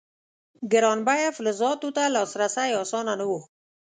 ګران بیه فلزاتو ته لاسرسی اسانه نه و.